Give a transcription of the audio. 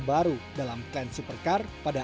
baru dalam trend supercar pada